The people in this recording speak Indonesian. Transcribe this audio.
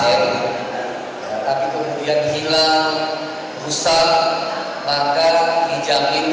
tapi kemudian hilang rusak maka dijamin